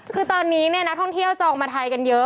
คือตอนนี้นักท่องเที่ยวจองมาไทยกันเยอะ